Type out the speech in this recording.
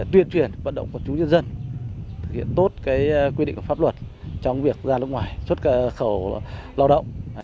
tuyên truyền vận động của chúng dân dân thực hiện tốt quy định của pháp luật trong việc ra nước ngoài xuất cả khẩu lao động